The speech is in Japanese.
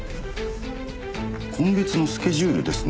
今月のスケジュールですね。